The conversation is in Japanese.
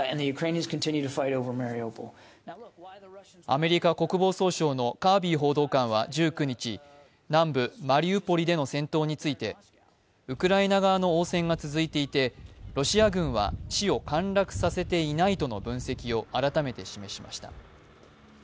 アメリカ国防総省のカービー報道官は１９日、南部マリウポリでの戦闘についてウクライナ側の応戦が続いていて、ロシア軍は市を陥落させていないとの分析を改めて示しました。